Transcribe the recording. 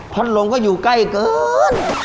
เพราะลงก็อยู่ใกล้เกิน